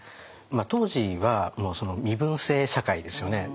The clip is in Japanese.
当時は身分制社会ですよね。